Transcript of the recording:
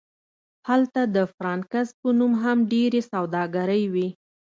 هلته د فرانکس په نوم هم ډیرې سوداګرۍ وې